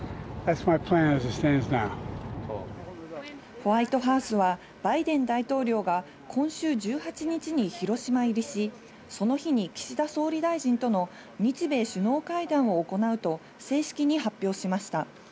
ホワイトハウスはバイデン大統領が今週１８日に広島入りし、その日に岸田総理大臣との日米首脳会談を行うと、正式に発表しました。